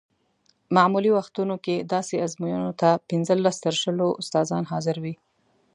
معمولي وختونو کې داسې ازموینو ته پنځلس تر شلو استادان حاضر وي.